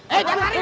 eh jangan lari lu